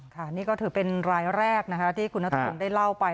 นี่ก็ถือเป็นรายแรกนะคะที่คุณนัทพงศ์ได้เล่าไป